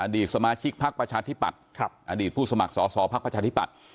สมาชิกพักประชาธิปัตย์อดีตผู้สมัครสอสอภักดิ์ประชาธิปัตย